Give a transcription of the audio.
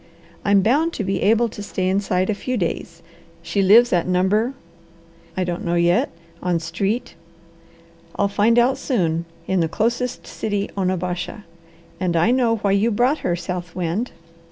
I'm bound to be able to say inside a few days, she lives at number I don't know yet, on street I'll find out soon, in the closest city, Onabasha. And I know why you brought her, South Wind.